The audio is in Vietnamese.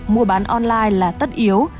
mua bán online là tất yếu